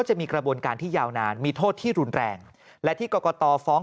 จะมีกระบวนการที่ยาวนานมีโทษที่รุนแรงและที่กรกตฟ้อง